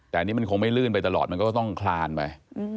แต่อันนี้มันคงไม่ลื่นไปตลอดมันก็ต้องคลานไป